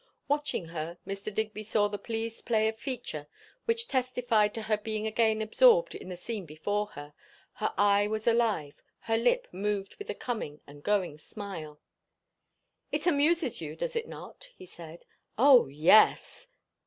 Watching her, Mr. Digby saw the pleased play of feature which testified to her being again absorbed in the scene before her; her eye was alive, her lip moved with a coming and going smile. "It amuses you, does it not?" he said. "O yes!"